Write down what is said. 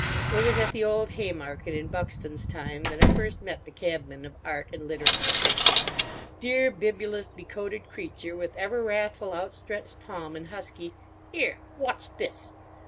It was at the old Haymarket, in Buckstone's time, that I first met the cabman of art and literature. Dear bibulous, becoated creature, with ever wrathful outstretched palm and husky "'Ere! Wot's this?"